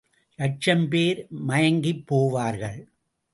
லட்சம் பேர் மயங்கிப் போவார்கள்.